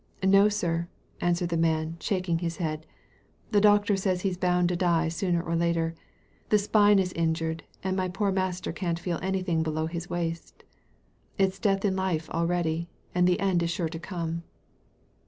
"No, sir," answered the man, shaking his head. *' The doctor says he's bound to die sooner or later. The spine is injured, and my poor master can't feel anything below his waist It's death in life already, and the end is sure to come."